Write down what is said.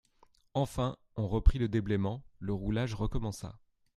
Enfin, on reprit le déblaiement, le roulage recommença.